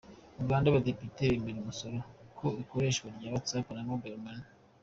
Uganda: Abadepite bemeje umusoro ku ikoreshwa rya WhatsApp na Mobile Money.